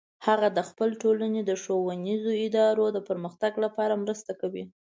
هغه د خپل ټولنې د ښوونیزو ادارو د پرمختګ لپاره مرسته کوي